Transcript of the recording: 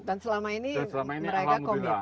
dan selama ini mereka komit